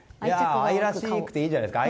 愛らしくていいじゃないですか。